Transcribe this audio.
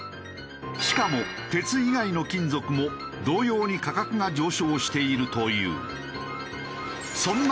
しかも鉄以外の金属も同様に価格が上昇しているという。